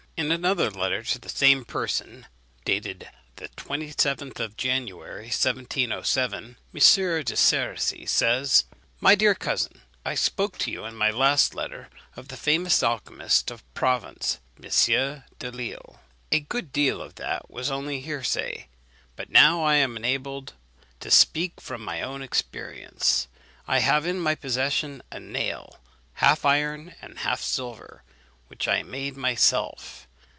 In another letter to the same person, dated the 27th of January 1707, M. de Cerisy says, "My dear cousin, I spoke to you in my last letter of the famous alchymist of Provence, M. Delisle. A good deal of that was only hearsay, but now I am enabled to speak from my own experience. I have in my possession a nail, half iron and half silver, which I made myself.